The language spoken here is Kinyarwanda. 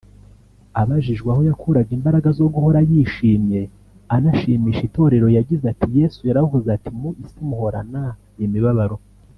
Abajijwe aho yakuraga imbaraga zo guhora yishimye anashimisha Itorero yagize ati “Yesu yaravuze ati ‘Mu isi muhorana imibabaro